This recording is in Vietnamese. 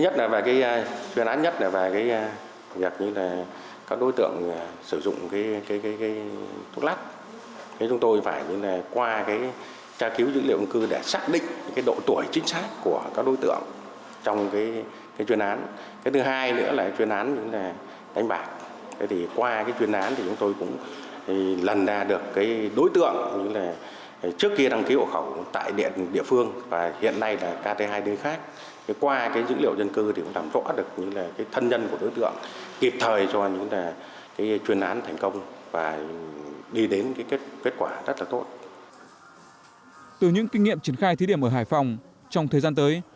từ những kinh nghiệm triển khai thí điểm ở hải phòng trong thời gian tới